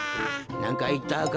なんかいったか？